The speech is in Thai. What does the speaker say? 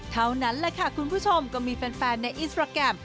เท่านั้นแหละค่ะคุณผู้ชมก็มีแฟนในอินสตราแกรม